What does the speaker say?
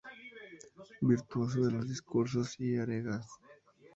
Virtuoso de los discursos y arengas.